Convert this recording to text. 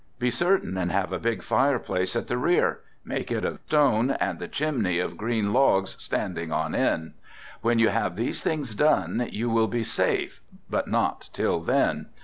Be certain and have a big fire place at the rear, make it of stone and the chimney of green logs standing on end. When you have these things done you will be safe, but not till then.